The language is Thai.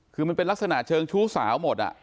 คือมันเป็นลักษณะเชิงชู้สาวหมด